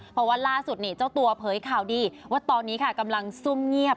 เพราะว่าล่าสุดนี่เจ้าตัวเผยข่าวดีว่าตอนนี้ค่ะกำลังซุ่มเงียบ